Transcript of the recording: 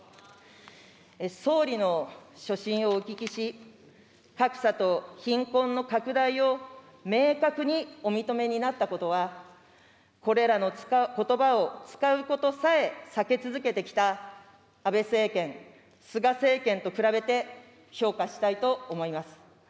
総理の所信をお聞きし、格差と貧困の拡大を明確にお認めになったことは、これらのことばを使うことさえ避け続けてきた安倍政権、菅政権と比べて、評価したいと思います。